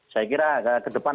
saya kira ke depan